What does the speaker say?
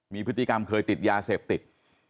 มีพฤติกรรมเคยติดยาเสพติด